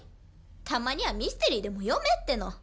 たまにはミステリーでも読めっての。